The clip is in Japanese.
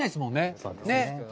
そうですね。